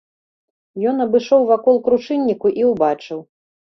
Ён абышоў вакол крушынніку і ўбачыў.